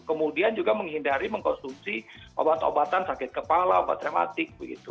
kemudian juga menghindari mengkonsumsi obat obatan sakit kepala obat rematik begitu